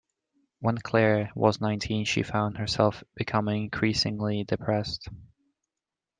When Claire was nineteen she found herself becoming increasingly depressed